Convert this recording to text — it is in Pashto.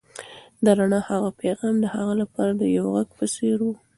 د رڼا هغه پیغام د هغه لپاره د یو غږ په څېر و.